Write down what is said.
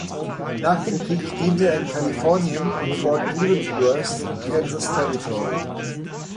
Nach dem Krieg diente er in Kalifornien und Fort Leavenworth, Kansas Territory.